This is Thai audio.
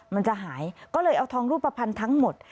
มันจะหายก็เลยเอาทองรูปภัณฑ์ทั้งหมด